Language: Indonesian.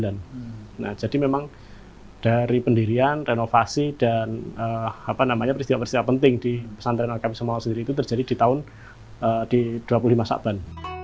nah jadi memang dari pendirian renovasi dan apa namanya peristiwa peristiwa penting di pesantren alkafi samarang sendiri itu terjadi di tahun dua puluh lima saban